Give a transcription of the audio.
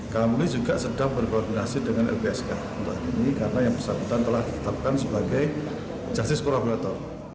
kami juga sedang berkoordinasi dengan lpsk untuk hari ini karena yang bersambutan telah ditetapkan sebagai jasis kurabilator